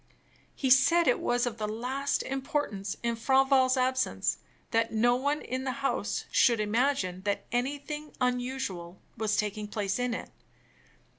He said it was of the last importance, in Franval's absence, that no one in the house should imagine that anything unusual was taking place in it.